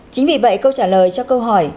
chính vì vậy câu trả lời cho câu hỏi